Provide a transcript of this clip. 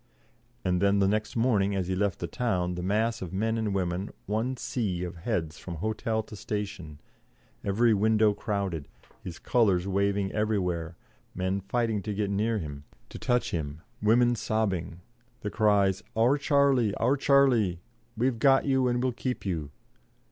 And then the next morning, as he left the town, the mass of men and women, one sea of heads from hotel to station, every window crowded, his colours waving everywhere, men fighting to get near him, to touch him, women sobbing, the cries, "Our Charlie, our Charlie; we've got you and we'll keep you."